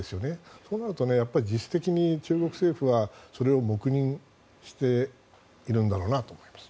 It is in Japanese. そうなると実質的に中国政府はそれを黙認しているんだろうなと。